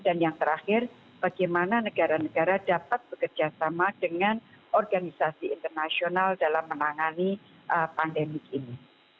dan yang terakhir bagaimana negara negara dapat bekerja sama dengan organisasi internasional dalam menangani pandemik ini